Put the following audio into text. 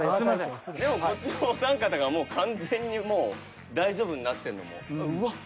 でもこちらのお三方がもう完全に大丈夫になってるのも。